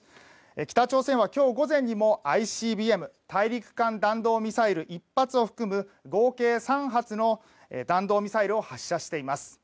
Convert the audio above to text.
北朝鮮は今日午前にもＩＣＢＭ・大陸間弾道ミサイル１発を含む合計３発の弾道ミサイルを発射しています。